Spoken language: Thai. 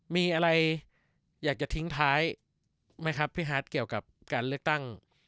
มีอะไรอยากจะทิ้งท้ายไหมครับพี่ฮาร์ดเกี่ยวกับการเลือกตั้ง